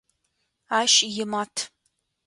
Ащ имат.